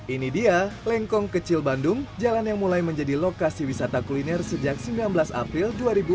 ini dia lengkong kecil bandung jalan yang mulai menjadi lokasi wisata kuliner sejak sembilan belas april dua ribu dua puluh